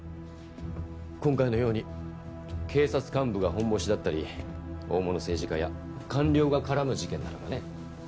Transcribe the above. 今回のように警察幹部がホンボシだったり大物政治家や官僚が絡む事件ならばね。